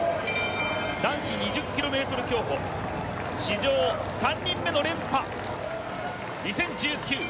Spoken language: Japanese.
男子２０ｋｍ競歩史上３人目の連覇２０１９